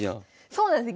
そうなんです。